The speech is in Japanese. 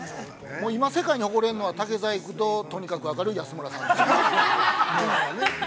今世界に誇れるのは竹細工と、とにかく明るい安村さんとね。